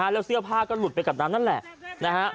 แล้วเสื้อผ้าก็หลุดไปกับนั้นแหละ